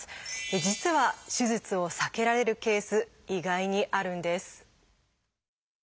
実は手術を避けられるケース意外にあるんです。